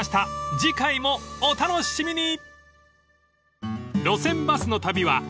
［次回もお楽しみに］